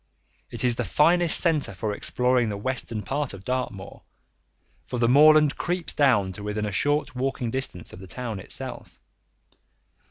It is the finest centre for exploring the western part of Dartmoor, for the moorland creeps down to within a short walking distance of the town itself.